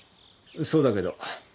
そうだけど。